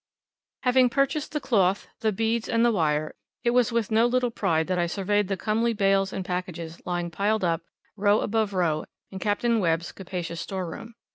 Having purchased the cloth, the beads, and the wire, it was with no little pride that I surveyed the comely bales and packages lying piled up, row above row, in Capt. Webb's capacious store room.